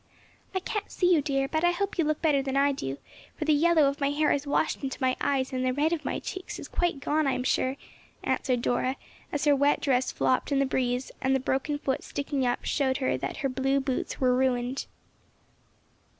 "I can't see you, dear, but I hope you look better than I do, for the yellow of my hair has washed into my eyes and the red of my cheeks is quite gone, I'm sure," answered Dora, as her wet dress flopped in the breeze and the broken foot sticking up showed her that her blue boots were ruined.